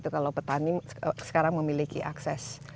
kalau petani sekarang memiliki akses